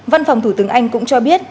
văn phòng thủ tướng anh cũng cho biết